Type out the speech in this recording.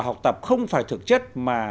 học tập không phải thực chất mà